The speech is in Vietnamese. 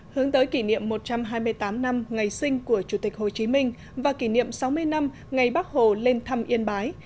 hướng tới kỷ niệm một trăm hai mươi tám năm ngày sinh của chủ tịch hồ chí minh và kỷ niệm sáu mươi năm ngày bắc hồ lên thăm yên bái